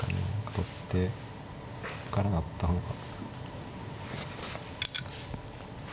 取ってから成った方が。